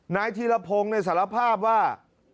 นายธีรพงศ์สารภาพว่า